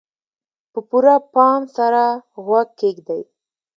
په پوره پام سره غوږ کېږدئ.